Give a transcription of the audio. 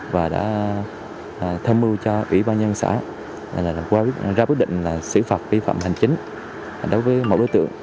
và đã thâm mưu cho ủy ban nhân xã ra quyết định sử phạt vi phạm hành chính đối với mẫu đối tượng